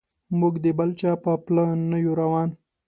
موږ د بل چا په پله نه یو روان.